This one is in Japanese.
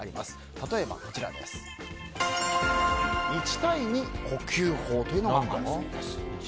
例えば、１対２呼吸法というのがあるそうです。